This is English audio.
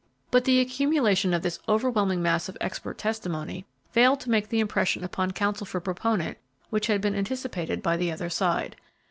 But the accumulation of this overwhelming mass of expert testimony failed to make the impression upon counsel for proponent which had been anticipated by the other side.